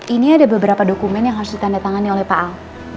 ini ada beberapa dokumen yang harus ditandatangani oleh pak al